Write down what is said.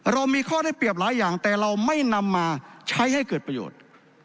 เรามีข้อได้เปรียบหลายอย่างแต่เราไม่นำมาใช้ให้เกิดประโยชน์